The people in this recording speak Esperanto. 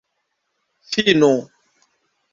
fino